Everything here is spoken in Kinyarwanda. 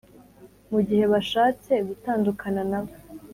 mu gihe bashatse gutandukana na bo.